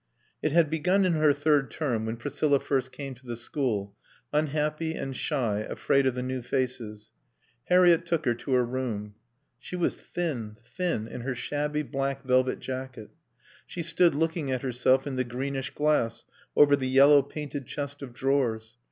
It had begun in her third term, when Priscilla first came to the school, unhappy and shy, afraid of the new faces. Harriett took her to her room. She was thin, thin, in her shabby black velvet jacket. She stood looking at herself in the greenish glass over the yellow painted chest of drawers.